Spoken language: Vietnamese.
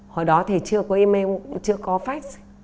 hồi đó thì chưa có email chưa có fax